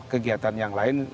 kegiatan yang lain